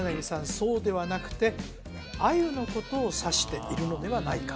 そうではなくてアユのことを指しているのではないか？